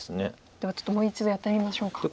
ではちょっともう一度やってみましょうか。